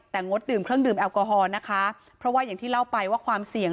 แต่งดดื่มเครื่องดื่มแอลกอฮอล์นะคะเพราะว่าอย่างที่เล่าไปว่าความเสี่ยง